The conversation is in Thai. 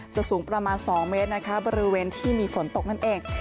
สูงประมาณ๒เมตรนะคะบริเวณที่มีฝนตกนั่นเอง